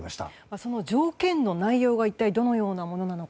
その条件の内容が一体どのようなものなのか。